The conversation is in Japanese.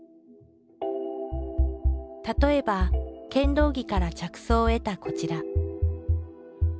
例えば剣道着から着想を得たこちら。